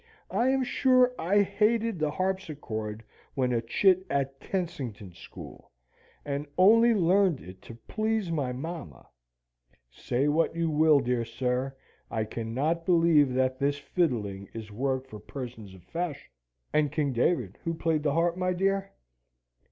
"I am sure I hated the harpsichord when a chit at Kensington School, and only learned it to please my mamma. Say what you will, dear sir, I can not believe that this fiddling is work for persons of fashion." "And King David who played the harp, my dear?"